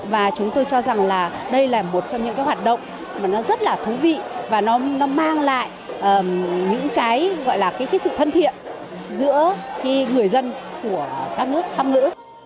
và chúng tôi cho rằng đây là một trong những hoạt động rất thú vị và mang lại sự thân thiện giữa người dân của các nước pháp ngữ